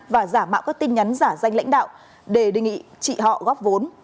và giả mạo các tin nhắn giả danh lãnh đạo để đề nghị chị họ góp vốn